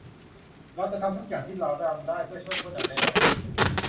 เราจะทำทุกอย่างที่เราทำได้เพื่อช่วยผู้นำแน่นอน